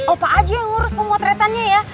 opa aja yang ngurus pemotretannya ya